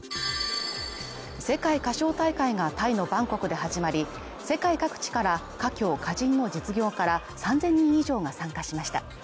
世界華商大会がタイのバンコクで始まり、世界各地から華僑・華人の実業家ら３０００人以上が参加しました。